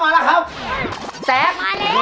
พี่หอยคิดถึงอัปเดตมากเลยนะพี่หอยบอก